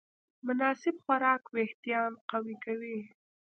مناسب خوراک وېښتيان قوي کوي.